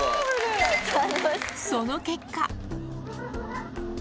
その結果。